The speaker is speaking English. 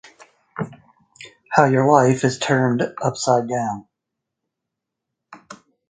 How your life is turned upside down.